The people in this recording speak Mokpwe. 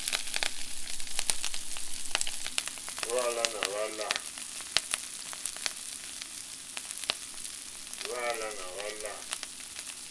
Hwáǎlánà hwá lâ.